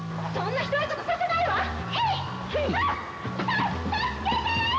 た助けて！